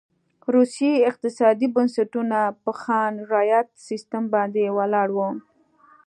روسي اقتصادي بنسټونه په خان رعیت سیستم باندې ولاړ و.